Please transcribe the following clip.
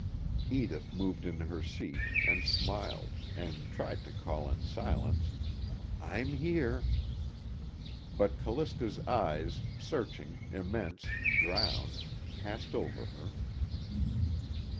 Edith moved in her seat, and smiled, and tried to call in silence: I'm here. But Callista's eyes, searching, immense, drowned, passed over her.